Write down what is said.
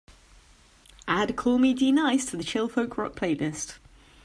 Add Call Me D-Nice to the Chill Folk Rock playlist.